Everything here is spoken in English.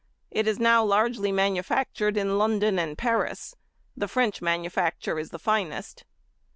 It is now largely manufactured in London and Paris; the French manufacture is the finest.